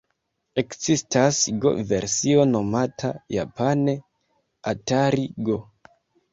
Ekzistas go-versio nomata japane 'Atari-go'.